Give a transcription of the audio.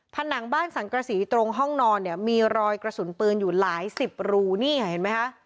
ผ่านหนังบ้านสังกระศีตรงห้องนอนมีรอยกระสุนปืนอยู่หลาย๑๐รูนี่เห็นมั้ยคะ